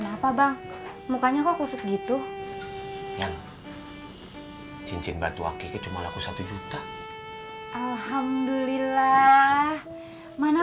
kenapa bang mukanya kok kusut gitu yang cincin batu ake cuma laku satu juta alhamdulillah mana